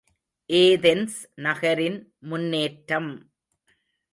Athens நகரின் முன்னேற்றம்...